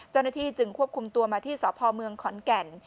เจ้าหน้าที่จึงควบคุมตัวมาที่สพเมืองขอนแก่น